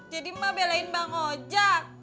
jadi ma belain mbak ngojak